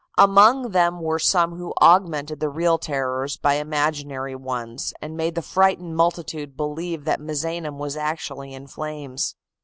Among them were some who augmented the real terrors by imaginary ones, and made the frighted multitude believe that Misenum was actually in flames.